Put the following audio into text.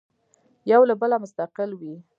یو له بله مستقل وي.